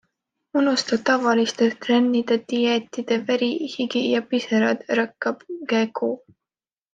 Unusta tavaliste trennide-dieetide veri, higi ja pisarad, rõkkab GQ.